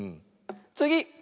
つぎ！